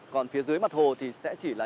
còn phía dưới mặt hồ thì sẽ chỉ là